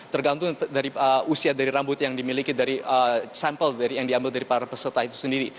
tergantung dari usia dari rambut yang dimiliki dari sampel yang diambil dari para peserta itu sendiri